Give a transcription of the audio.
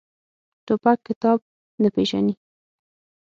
توپک کتاب نه پېژني.